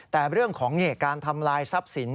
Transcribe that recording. แต่เรื่องของเหตุการณ์ทำลายทรัพย์สิน